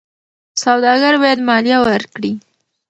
سوداګر باید مالیه ورکړي.